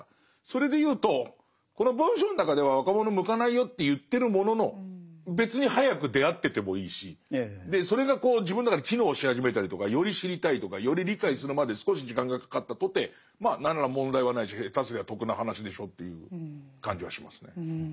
それで言うとこの文章の中では若者に向かないよって言ってるものの別に早く出会っててもいいしそれが自分の中で機能し始めたりとかより知りたいとかより理解するまで少し時間がかかったとてまあ何ら問題はないし下手すりゃ得な話でしょという感じはしますね。